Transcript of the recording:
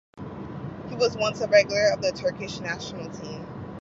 He was once a regular of the Turkish national team.